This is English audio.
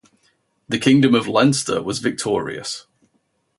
The Kingdom of Leinster was victorious.